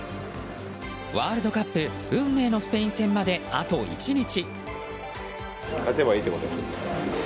ワールドカップ運命のスペイン戦まであと１日。